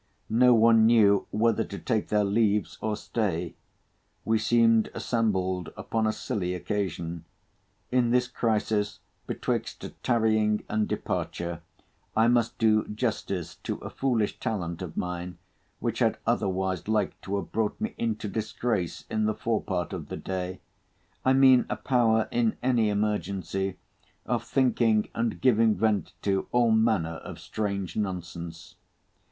No one knew whether to take their leaves or stay. We seemed assembled upon a silly occasion. In this crisis, betwixt tarrying and departure, I must do justice to a foolish talent of mine, which had otherwise like to have brought me into disgrace in the fore part of the day; I mean a power, in any emergency, of thinking and giving vent to all manner of strange nonsense.